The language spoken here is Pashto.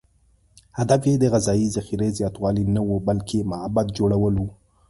هدف یې د غذایي ذخیرې زیاتوالی نه و، بلکې معبد جوړول و.